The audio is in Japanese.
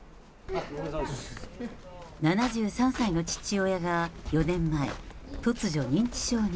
７３歳の父親が４年前、突如認知症に。